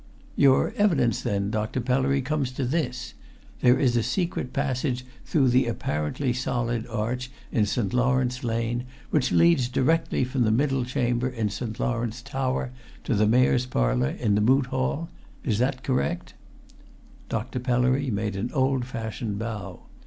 "Your evidence, then, Dr. Pellery, comes to this there is a secret passage through the apparently solid arch in St. Lawrence Lane which leads direct from the middle chamber in St. Lawrence tower to the Mayor's Parlour in the Moot Hall? Is that correct?" Dr. Pellery made an old fashioned bow.